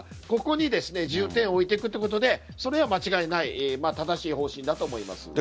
ここに重点を置いていくというところは間違いない正しい方針だと思います。